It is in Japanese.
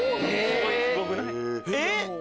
えっ！